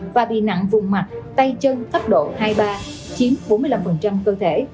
và bị nặng vùng mặt tay chân cấp độ hai ba chiếm bốn mươi năm cơ thể